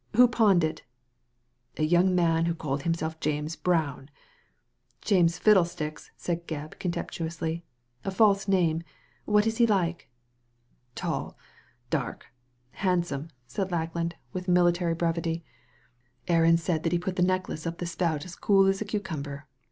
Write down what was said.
Who pawned it ?" "A young man who called himself James Brown." "James Fiddlesticks," said Gebb, contemptuously —*' a false name. What was he like ?" "Tall, dark, handsome," said Lackland, with Digitized by Google THE DIAMOND NECKLACE 129 military brevity. "Aaron said that he put the necklace up the spout as cool as a cucumber.